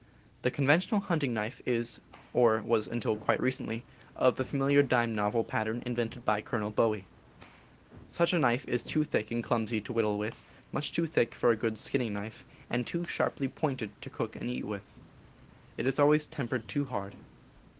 The conventional hunting knife is, or was until quite recently, of the familiar dime novel pattern invented by Colonel Bowie. Such a knife is too thick and clumsy to whittle with, much too thick for a good skinning knife, and too sharply pointed to cook and eat with. It is always tempered too hard.